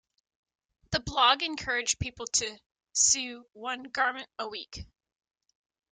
The blog encouraged people to "sew one garment a week".